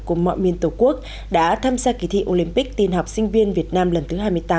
của mọi miền tổ quốc đã tham gia kỳ thi olympic tiên học sinh viên việt nam lần thứ hai mươi tám